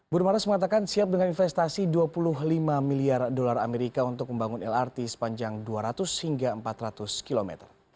burumaras mengatakan siap dengan investasi dua puluh lima miliar dolar amerika untuk membangun lrt sepanjang dua ratus hingga empat ratus km